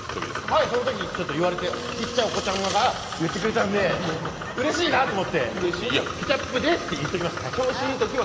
はい、そのときにちょっと言われて、ちっちゃいお子ちゃまから言ってくれて、うれしくてケチャップですって言っておきました。